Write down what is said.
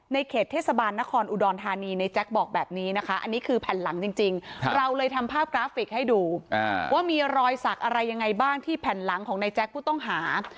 เขตเทศบาลนครอุดรธานีในแจ๊คบอกแบบนี้นะคะอันนี้คือแผ่นหลังจริงเราเลยทำภาพกราฟิกให้ดูว่ามีรอยสักอะไรยังไงบ้างที่แผ่นหลังของนายแจ๊คผู้ต้องหา